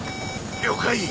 了解！